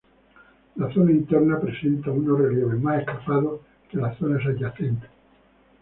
La zona interna presenta unos relieves más escarpados que las zonas adyacentes.